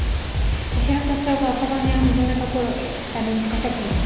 千尋社長が赤羽屋を始めたころに下につかせてもらって。